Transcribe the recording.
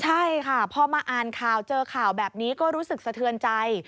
ใช่ค่ะพอมาอ่านข่าวเจอข่าวแบบนี้ก็รู้สึกสะเทือนใจ